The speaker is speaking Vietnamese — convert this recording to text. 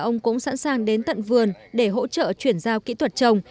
ông cũng sẵn sàng đến tận vườn để hỗ trợ chuyển giao kỹ thuật trồng